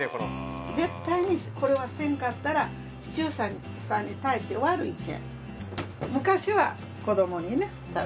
絶対にこれはせんかったら視聴者さんに対して悪いんで。